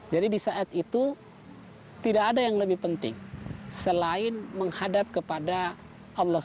jadi di saat itu tidak ada yang lebih penting selain menghadap kepada allah swt